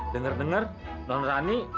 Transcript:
dengar dengar non rani